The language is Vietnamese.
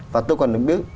và tôi còn được biết